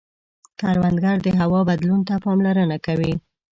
کروندګر د هوا بدلون ته پاملرنه کوي